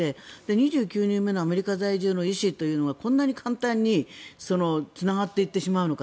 ２９人目のアメリカ在住の医師というのがこんなに簡単につながってしまうのか。